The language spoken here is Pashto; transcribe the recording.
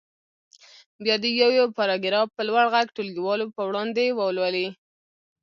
بیا دې یو یو پاراګراف په لوړ غږ ټولګیوالو په وړاندې ولولي.